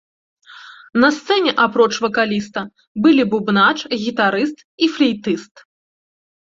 На сцэне, апроч вакаліста, былі бубнач, гітарыст і флейтыст.